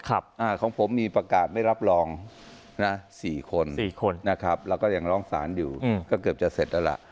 ของผมมีประกาศไม่รับรองนะ๔คน๔คนนะครับแล้วก็ยังร้องสารอยู่ก็เกือบจะเสร็จแล้วล่ะ